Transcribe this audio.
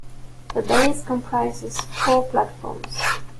The base comprises four platforms.